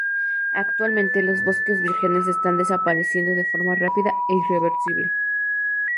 Actualmente los bosques vírgenes están desapareciendo de forma rápida e irreversible.